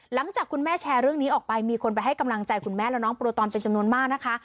หลังจากคุณแม่แชร์เรื่องนี้ออกไปมีคนไปให้กำลังใจคุณแม่และน้องโปรตอนเป็นจำนวนมากนะคะ